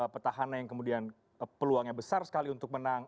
petahana yang kemudian peluangnya besar sekali untuk menang